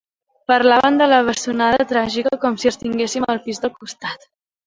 Parlàvem de la bessonada tràgica com si els tinguéssim al pis del costat.